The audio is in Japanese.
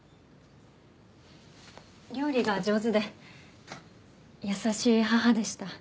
料理が上手で優しい母でした。